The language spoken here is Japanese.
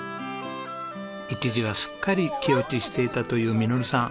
一時はすっかり気落ちしていたという實さん。